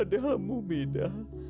yang lu mida